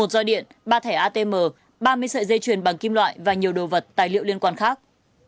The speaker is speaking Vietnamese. một roi điện ba thẻ atm ba mươi sợi dây chuyền bằng kim loại và nhiều đồ vật tài liệu liên quan khác